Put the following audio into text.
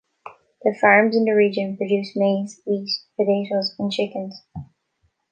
The farms in the region produce maize, wheat, potatoes and chickens.